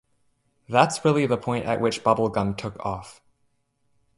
That's really the point at which bubblegum took off.